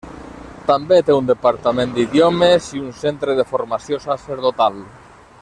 També té un Departament d'Idiomes i un Centre de Formació Sacerdotal.